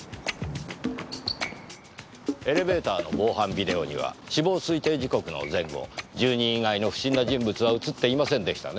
エレベーターの防犯ビデオには死亡推定時刻の前後住人以外の不審な人物は映っていませんでしたねぇ。